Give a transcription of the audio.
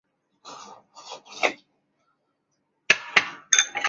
该物种的模式产地在韩国庆尚北道。